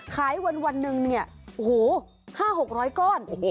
ขายวันหนึ่งเนี่ยโอ้โห๕๖๐๐ก้อน